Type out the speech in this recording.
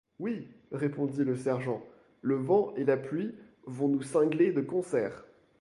Oui, répondit le sergent, le vent et la pluie vont nous cingler de concert.